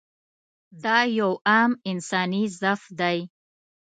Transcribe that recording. دا یو عام انساني ضعف دی.